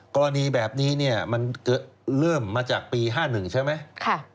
กรณีแบบนี้เนี่ยมันเริ่มมาจากปี๕๑ใช่ไหม